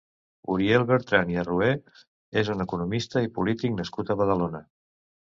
Uriel Bertran i Arrué és un economista i polític nascut a Badalona.